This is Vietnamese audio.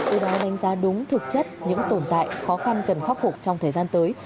uban đánh giá đúng thực chất những tồn tại khó khăn cần khắc phục trong thời gian tới